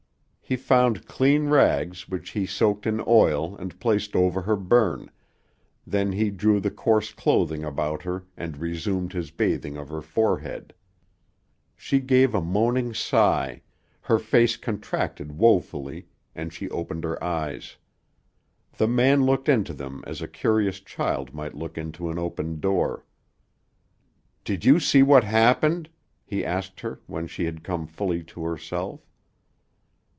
He found clean rags which he soaked in oil and placed over her burn, then he drew the coarse clothing about her and resumed his bathing of her forehead. She gave a moaning sigh, her face contracted woefully, and she opened her eyes. The man looked into them as a curious child might look into an opened door. "Did you see what happened?" he asked her when she had come fully to herself.